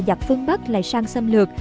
giặc phương bắc lại sang xâm lược